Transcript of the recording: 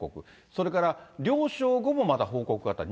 それから、了承後もまた報告があった。